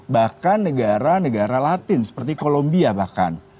bahkan negara negara latin seperti kolombia bahkan